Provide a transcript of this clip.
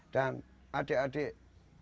dan adik adik kami pun yang di sini relawan